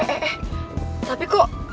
eh eh eh tapi kok